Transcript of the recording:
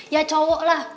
ya cowok lah